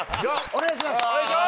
お願いします！